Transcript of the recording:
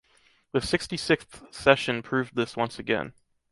The sixty-sixth session proved this once again.